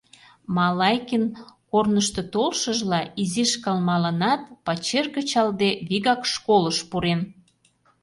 Малайкин, корнышто толшыжла, изиш кылмалынат, пачер кычалде, вигак школыш пурен.